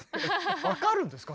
分かるんですか？